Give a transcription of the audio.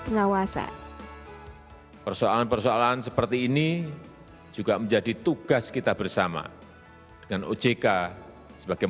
pengawasan persoalan persoalan seperti ini juga menjadi tugas kita bersama dengan ojk sebagai